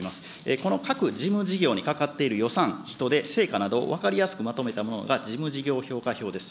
この各事務事業にかかっている予算、人手、成果などを分かりやすくまとめたものが事務事業評価票です。